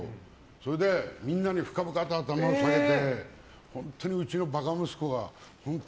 それでみんなに深々と頭を下げて本当にうちのバカ息子が本当